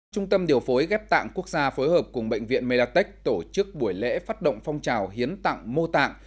trung tâm điều phối ghép tạng quốc gia phối hợp cùng bệnh viện medlatech tổ chức buổi lễ phát động phong trào hiến tặng mô tạng